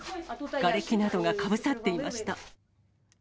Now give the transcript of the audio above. がれきなどがかぶさっていました。